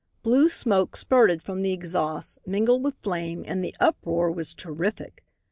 Blue smoke spurted from the exhausts, mingled with flame, and the uproar was terrific.